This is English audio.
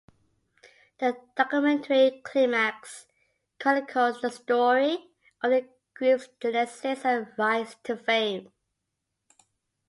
The documentary "Klymaxx" chronicled the story of the group's genesis and rise to fame.